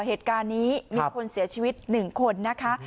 เหตุการณ์นี้ครับมีคนเสียชีวิตหนึ่งคนนะคะ